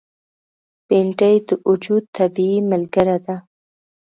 بېنډۍ د وجود طبیعي ملګره ده